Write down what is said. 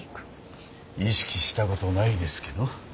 意識したことないですけど。